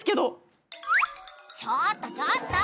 ちょっとちょっと！